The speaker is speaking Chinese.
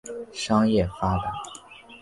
商业发达。